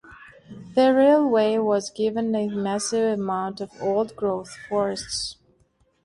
The railway was given a massive amount of old-growth forests.